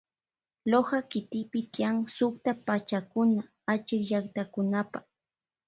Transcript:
Loja kikipi tiyan sukta pakchakuna achikllaktakunapa.